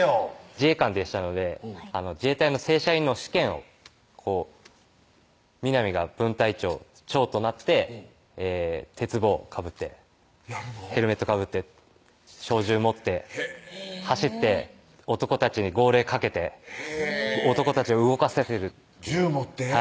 自衛官でしたので自衛隊の正社員の試験を南が分隊長となって鉄帽かぶってヘルメットかぶって小銃持って走って男たちに号令かけて男たちを動かせてる銃持って？